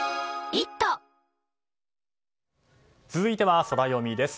続いてはソラよみです。